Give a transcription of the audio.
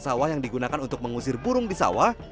sawah yang digunakan untuk mengusir burung di sawah